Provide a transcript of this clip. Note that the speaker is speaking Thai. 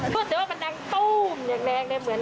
พูดถึงว่ามันดังตู้มแรงเลยเหมือน